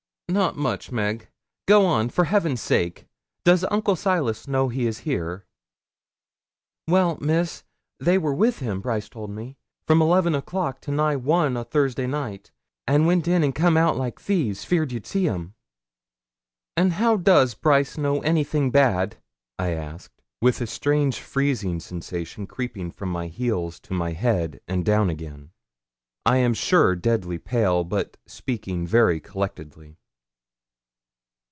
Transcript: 'Not much, Meg. Go on, for Heaven's sake. Does Uncle Silas know he is here?' 'Well, Miss, they were with him, Brice told me, from eleven o'clock to nigh one o' Tuesday night, an' went in and come out like thieves, 'feard ye'd see 'em.' 'And how does Brice know anything bad?' I asked, with a strange freezing sensation creeping from my heels to my head and down again I am sure deadly pale, but speaking very collectedly.